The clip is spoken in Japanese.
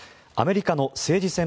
アメリカの政治